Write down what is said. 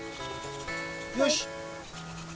よし！